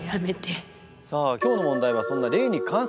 さあ今日の問題はそんな霊に関する問題です。